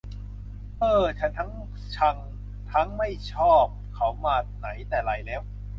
เฮ่อ ฉันทั้งชังทั้งไม่ชอบเขามาแต่ไหนแต่ไรแล้ว